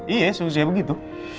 iya seusah begitu